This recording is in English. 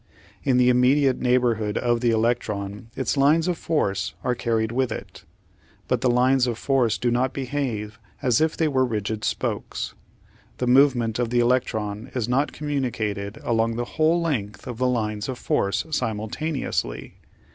In the immediate neighbourhood of the electron its lines of force are carried with it. But the lines of force do not behave as if they were rigid spokes. The movement of the electron is not communicated along the whole length of the lines of force simultaneously.